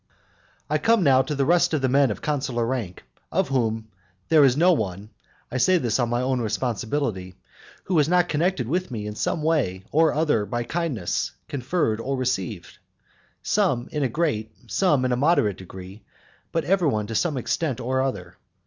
VII. I come now to the rest of the men of consular rank of whom there is no one, (I say this on my own responsibility,) who is not connected with me in some way or other by kindnesses conferred or received, some in a great, some in a moderate degree, but everyone to some extent or other.